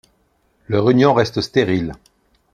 Leur union reste stérile.